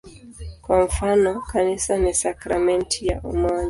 Kwa mfano, "Kanisa ni sakramenti ya umoja".